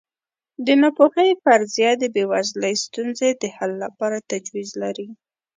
د ناپوهۍ فرضیه د بېوزلۍ ستونزې د حل لپاره تجویز لري.